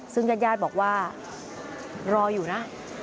ซึ่งญาติญาติบอกว่ารออยู่นะ